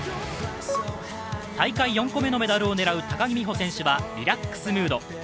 大会４個目のメダルを狙う高木美帆選手はリラックスムード。